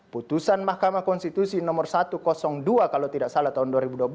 putusan mahkamah konstitusi nomor satu ratus dua kalau tidak salah tahun dua ribu dua belas